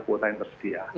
kuota yang tersedia